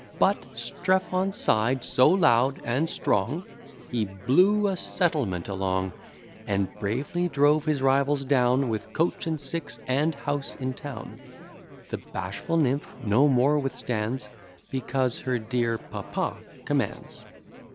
But Strephon sigh'd so loud and strong, He blew a settlement along; And bravely drove his rivals down, With coach and six, and house in town. The bashful nymph no more withstands, Because her dear papa commands.